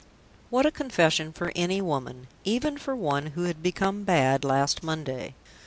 What a confession for any woman even for one who had become bad last Monday!